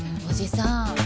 おじさん